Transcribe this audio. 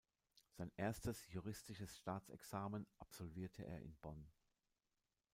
Sein erstes juristisches Staatsexamen absolvierte er in Bonn.